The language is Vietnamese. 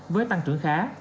với tăng trưởng khá